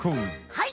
はい。